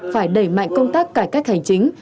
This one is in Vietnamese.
phải đẩy mạnh công tác cải cách hành chính